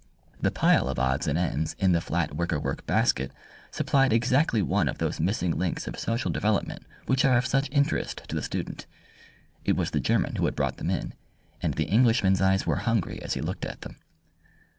The pile of odds and ends in the flat wicker work basket supplied exactly one of those missing links of social development which are of such interest to the student. It was the German who had brought them in, and the Englishman's eyes were hungry as he looked at them.